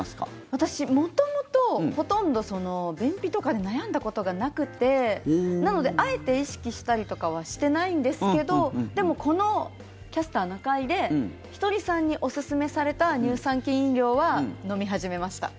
私、元々ほとんど便秘とかで悩んだことがなくてなので、あえて意識したりとかはしてないんですけどでも、この「キャスターな会」でひとりさんにおすすめされた乳酸菌飲料は飲み始めました。